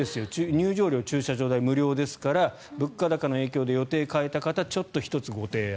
入場料、駐車場代無料ですから物価高の影響で予定を変えた方ちょっと１つご提案。